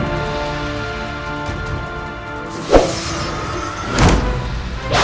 beda ada pencuci musuh diskusip mobile